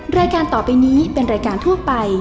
รายการต่อไปนี้เป็นรายการทั่วไป